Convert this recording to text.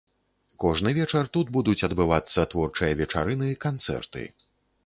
Кожны вечар тут будуць адбывацца творчыя вечарыны, канцэрты.